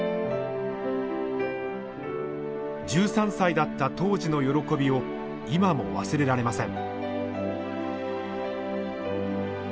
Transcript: １３歳だった当時の喜びを今も忘れられません。